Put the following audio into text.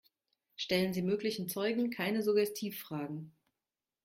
Stellen Sie möglichen Zeugen keine Suggestivfragen.